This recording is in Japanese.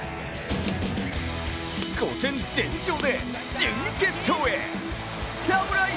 ５戦全勝で準決勝へ、サムライ